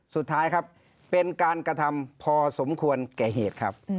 สุดท้ายครับเป็นการกระทำพอสมควรแก่เหตุครับ